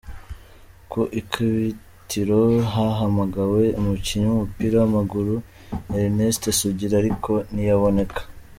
Ku ikubitiro hahamagawe umukinnyi w’umupira w’amaguru Erinesiti Sugira ariko ntiyaboneka.